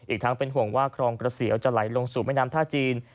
อีกทั้งเป็นห่วงว่าครองกระเสียวจะไหลลงสู่แม่น้ำท่าจีน